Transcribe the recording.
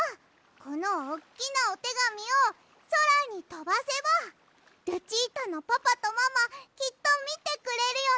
このおっきなおてがみをそらにとばせばルチータのパパとママきっとみてくれるよね。